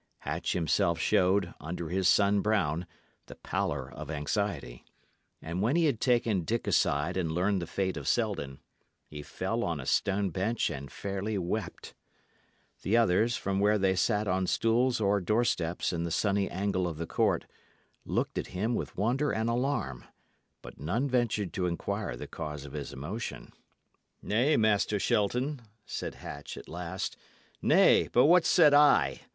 Hatch himself showed, under his sun brown, the pallour of anxiety; and when he had taken Dick aside and learned the fate of Selden, he fell on a stone bench and fairly wept. The others, from where they sat on stools or doorsteps in the sunny angle of the court, looked at him with wonder and alarm, but none ventured to inquire the cause of his emotion. "Nay, Master Shelton," said Hatch, at last "nay, but what said I?